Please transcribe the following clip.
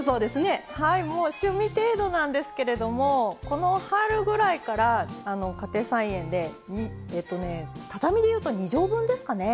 はいもう趣味程度なんですけれどもこの春ぐらいから家庭菜園でえとね畳で言うと２畳分ですかね